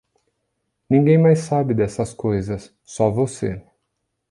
Ninguém mais sabe dessas coisas, só você.